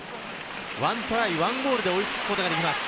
１トライ、１ゴールで追いつくことになります。